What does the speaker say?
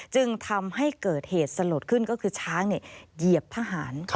จึงทำให้เกิดเหตุสลดขึ้นก็คือช้างเหยียบทหาร